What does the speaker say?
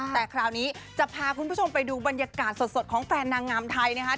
แต่คราวนี้จะพาคุณผู้ชมไปดูบรรยากาศสดของแฟนนางงามไทยนะครับ